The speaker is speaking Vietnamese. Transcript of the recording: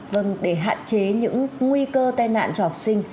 vâng để hạn chế những nguy cơ tai nạn cho học sinh